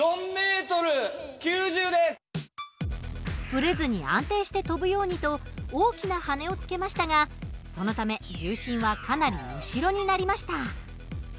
ブレずに安定して飛ぶようにと大きな羽根をつけましたがそのため重心はかなり後ろになりました。